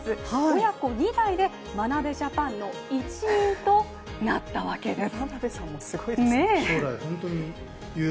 親子２代で眞鍋ジャパンの一員となったんです。